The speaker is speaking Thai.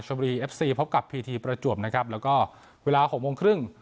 บุรีเอฟซีพบกับพีทีประจวบนะครับแล้วก็เวลาหกโมงครึ่ง